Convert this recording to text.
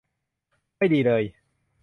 ไม่ดีเลย